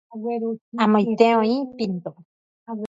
Amoite oĩ pindo.